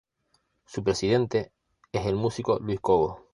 Su presidente es el músico Luis Cobos.